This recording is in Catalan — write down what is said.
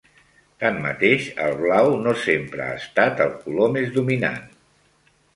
Tanmateix, el blau no sempre ha estat el color més dominant.